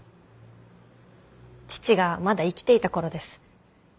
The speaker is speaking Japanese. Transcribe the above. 父がまだ生きていた頃です。